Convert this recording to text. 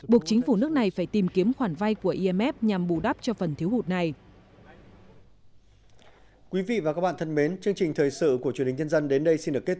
buộc chính phủ nước này phải tìm kiếm khoản vay của imf nhằm bù đắp cho phần thiếu hụt này